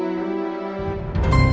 ya udah aku mau pulang